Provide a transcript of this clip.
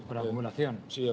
maka di semifinal